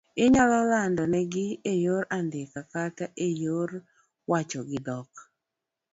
Inyalo landnigi eyor andiko kata eyor wacho gi dhok